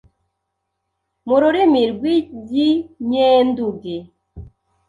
mu rurimi rw’iginyenduge.